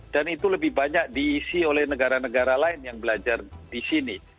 dan itu lebih banyak diisi oleh negara negara lain yang belajar di sini